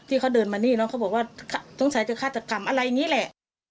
ที่เขาเดินมานี่เขาบอกว่าต้องใช้ค่าจักรกรรมอะไรอย่างนี้แหละ